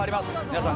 皆さん